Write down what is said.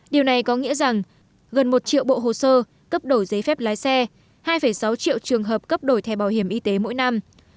điều này có nghĩa rằng gần một triệu bộ hồ sơ cấp đổi giấy phép lái xe hai sáu triệu trường hợp cấp đổi thẻ bảo hiểm y tế mỗi năm